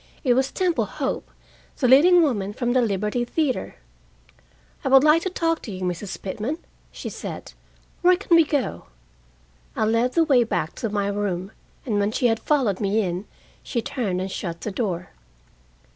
It was Temple Hope, the leading woman from the Liberty Theater. "I would like to talk to you, Mrs. Pitman," she said. "Where can we go?" I led the way back to my room, and when she had followed me in, she turned and shut the door.